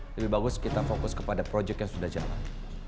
lebih bagus kita fokus kepada proyek yang sudah jalan